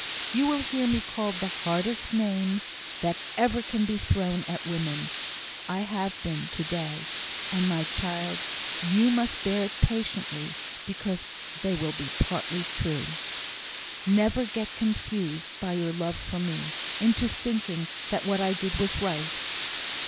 You will hear me called the hardest names that ever can be thrown at women I have been, to day; and, my child, you must bear it patiently, because they will be partly true. Never get confused, by your love for me, into thinking that what I did was right.